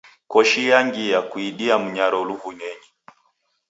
Koshi yangia kuidia mnyaro luvunenyi.